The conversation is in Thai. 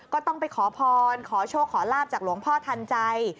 ก็ต้องไปขอพรขอโชคขอลาบจากหลวงพ่อทันใจ